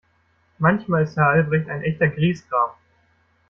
Manchmal ist Herr Albrecht ein echter Griesgram.